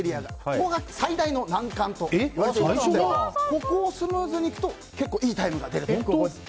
ここが最大の難関といわれていましてここをスムーズにいくといいタイムが出るということです。